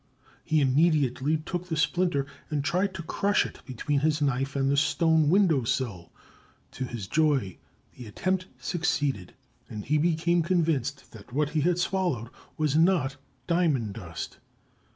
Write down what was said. He immediately took the splinter and tried to crush it between his knife and the stone window sill; to his joy the attempt succeeded, and he became convinced that what he had swallowed was not diamond dust.